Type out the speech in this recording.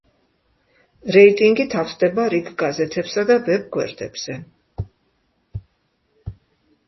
რეიტინგი თავსდება რიგ გაზეთებსა და ვებ–გვერდებზე.